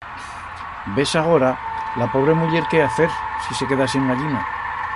Ves agora, la pobre muller que ha a fer, si se queda sin gallina.